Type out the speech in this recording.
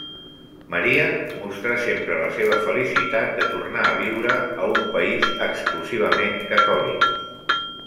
Maria mostrà sempre la seva felicitat de tornar a viure a un país exclusivament catòlic.